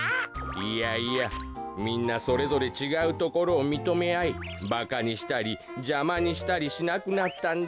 いやいやみんなそれぞれちがうところをみとめあいバカにしたりじゃまにしたりしなくなったんだ。